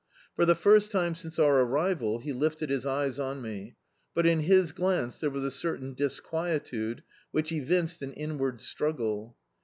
For the first time since our arrival he lifted his eyes on me; but in his glance there was a certain disquietude which evinced an inward struggle.